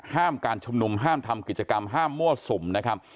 การชุมนุมห้ามทำกิจกรรมห้ามมั่วสุมนะครับ